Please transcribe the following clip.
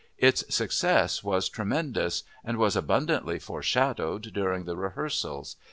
Its success was tremendous and was abundantly foreshadowed during the rehearsals.